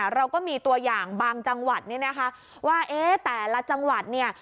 เราก็มีตัวอย่างบางจังหวัดว่าแต่ละจังหวัด